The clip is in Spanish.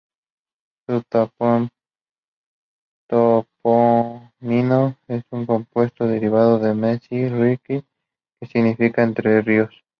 Su topónimo es un compuesto derivado de "mezi-říčí", que significa "entre ríos".